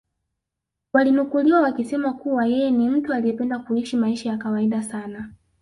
walinukuliwa wakisema kuwa yeye ni mtu aliyependa kuishi maisha ya kawaida sana